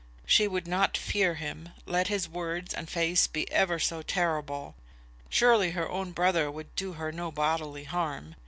She would not fear him, let his words and face be ever so terrible! Surely her own brother would do her no bodily harm.